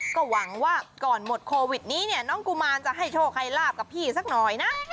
ก็หวังว่าก่อนหมดโควิดนี้เนี่ยน้องกุมารจะให้โชคให้ลาบกับพี่สักหน่อยนะ